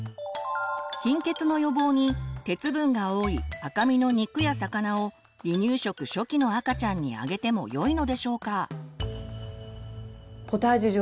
貧血の予防に鉄分が多い赤身の肉や魚を離乳食初期の赤ちゃんにあげてもよいのでしょうか？